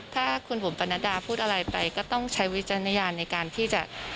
ถ้าคุณบุ๋มปนัดดาพูดอะไรไปก็ต้องใช้วิจารณญาณในการที่จะ